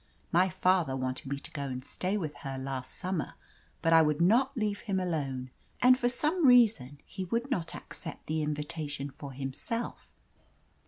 My father wanted me to go and stay with her last summer, but I would not leave him alone, and for some reason he would not accept the invitation for himself.